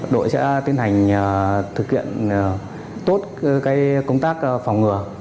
đội sẽ tiến hành thực hiện tốt công tác phòng ngừa